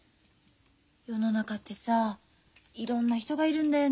世の中ってさいろんな人がいるんだよね。